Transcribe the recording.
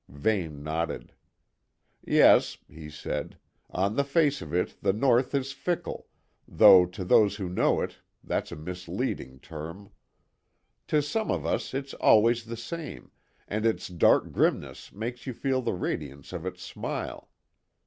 Vane nodded. "Yes," he said. "On the face of it, the North is fickle, though to those who know it that's a misleading term. To some of us it's always the same, and its dark grimness makes you feel the radiance of its smile.